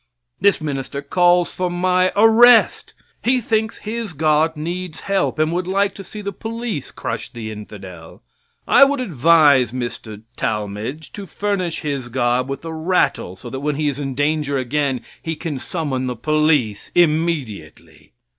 This minister calls for my arrest. He thinks his God needs help, and would like to see the police crush the infidel. I would advise Mr. Talmage (hisses) to furnish his God with a rattle, so that when he is in danger again he can summon the police immediately.